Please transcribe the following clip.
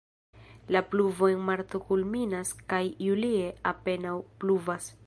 La pluvo en marto kulminas kaj julie apenaŭ pluvas.